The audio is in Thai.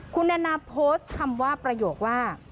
คุณแอนนาโพสต์คำว่าประโยคว่า